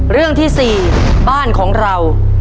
เรื่องที่๔บ้านของเรา